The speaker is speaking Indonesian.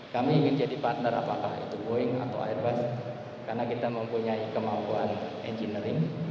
kami ingin jadi partner apakah itu boeing atau airbus karena kita mempunyai kemampuan engineering